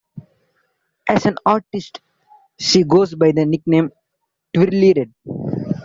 As an artist, she goes by the nickname Twirlyred.